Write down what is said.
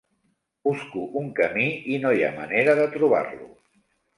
Busco un camí i no hi ha manera de trobar-lo.